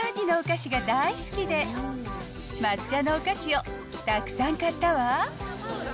抹茶味のお菓子が大好きで、抹茶のお菓子をたくさん買ったわ。